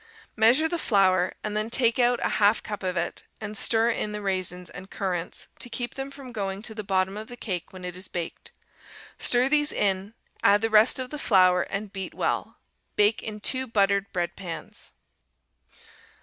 Measure the flour, and then take out a half cup of it, and stir in the raisins and currants, to keep them from going to the bottom of the cake when it is baked. Stir these in, add the rest of the flour, and beat well. Bake in two buttered bread pans.